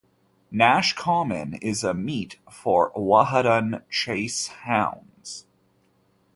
Nash Common is a meet for the Whaddon Chase hounds.